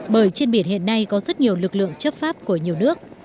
bởi trên biển hiện nay có rất nhiều lực lượng chấp pháp của nhiều nước